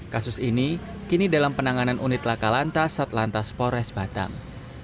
kasus ini kini dalam penanganan unit lakalantas atlantas pores batang